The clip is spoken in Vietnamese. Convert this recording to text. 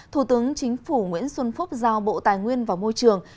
thủ tướng chính phủ nguyễn xuân phúc giao bộ tài nguyên và môi trường